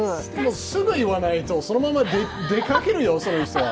すぐ言わないとそのまま出かけるよ、その人は。